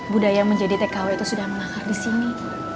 budaya menjadi tkw itu sudah mengakar disini